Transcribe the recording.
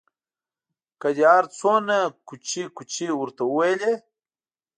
که دې هر څومره کوچې کوچې ورته وویلې.